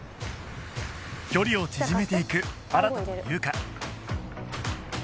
距離を縮めていく新と優香